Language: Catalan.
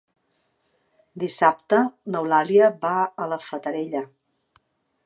Dissabte n'Eulàlia va a la Fatarella.